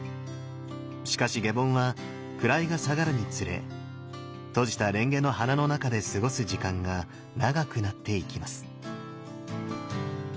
しかし下品は位が下がるにつれ閉じたレンゲの花の中で過ごす時間が長くなっていきます。